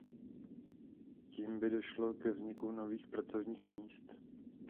Tím by došlo ke vzniku nových pracovních míst.